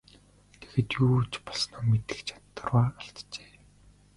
Тэгээд юу ч болсноо мэдэх чадвараа алджээ.